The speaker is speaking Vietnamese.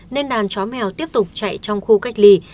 nên đàn chó mèo tiếp tục chạy trong khu cách ly